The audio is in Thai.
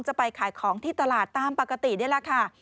จะไปขายของที่ตลาดตามปกตินี่แหละค่ะ